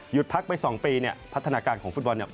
พักไป๒ปีเนี่ยพัฒนาการของฟุตบอลเนี่ย